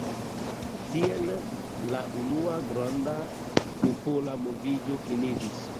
Tiel la unua granda popola moviĝo finiĝis.